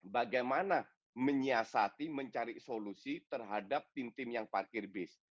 bagaimana menyiasati mencari solusi terhadap tim tim yang parkir bis